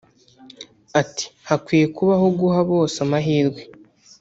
Ati "Hakwiye kubaho guha bose amahirwe